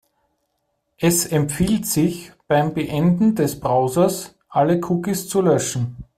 Es empfiehlt sich, beim Beenden des Browsers alle Cookies zu löschen.